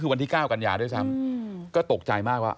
คือวันที่๙กันยาด้วยซ้ำก็ตกใจมากว่า